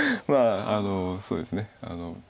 まあそうですね。